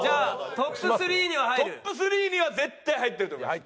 トップ３には絶対入ってると思います。